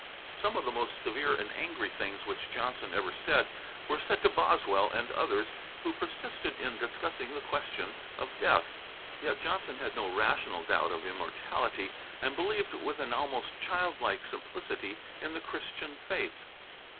Some of the most severe and angry things which Johnson ever said were said to Boswell and others who persisted in discussing the question of death. Yet Johnson had no rational doubt of immortality, and believed with an almost childlike simplicity in the Christian faith.